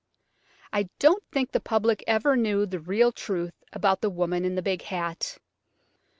I don't think the public ever knew the real truth about the woman in the big hat.